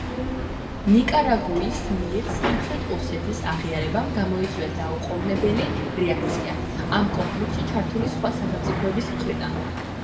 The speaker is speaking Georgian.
ნიკარაგუის მიერ სამხრეთ ოსეთის აღიარებამ გამოიწვია დაუყოვნებელი რეაქცია ამ კონფლიქტში ჩართული სხვა სახელმწიფოების მხრიდან.